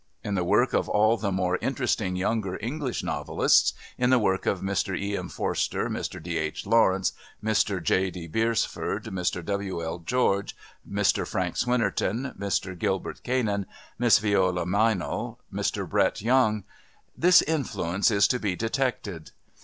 In the work of all of the more interesting younger English novelists in the work of Mr E. M. Forster, Mr D. H. Lawrence, Mr J. D. Beresford, Mr W. L. George, Mr Frank Swinnerton, Mr Gilbert Cannan, Miss Viola Meynell, Mr Brett Young this influence is to be detected.